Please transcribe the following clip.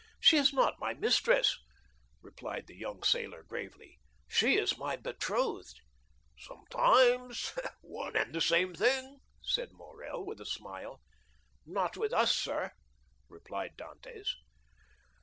"She is not my mistress," replied the young sailor, gravely; "she is my betrothed." "Sometimes one and the same thing," said Morrel, with a smile. "Not with us, sir," replied Dantès.